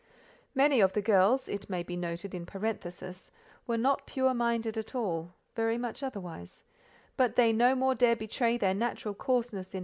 Many of the girls—it may be noted in parenthesis—were not pure minded at all, very much otherwise; but they no more dare betray their natural coarseness in M.